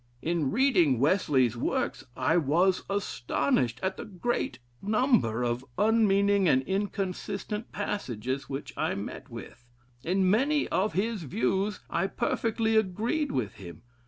In reading Wesley's works, I was astonished at the great number of unmeaning and inconsistent passages which I met with. In many of his views I perfectly agreed with him?